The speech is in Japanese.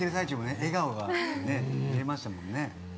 笑顔がね見れましたもんね。